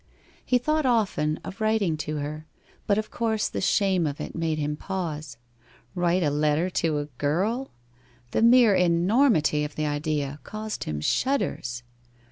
He thought often of writing to her, but of course the shame of it made him pause. Write a letter to a girl? The mere enormity of the idea caused him shudders.